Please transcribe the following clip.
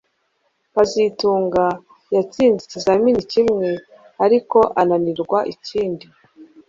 kazitunga yatsinze ikizamini kimwe ariko ananirwa ikindi